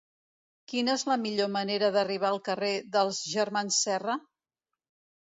Quina és la millor manera d'arribar al carrer dels Germans Serra?